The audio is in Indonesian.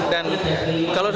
dan kalau saya